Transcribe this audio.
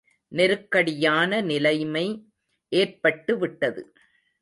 நெருக்கடியான நிலைமை ஏற்பட்டு விட்டது.